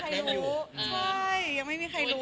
ก็ยังไม่ให้เคยรู้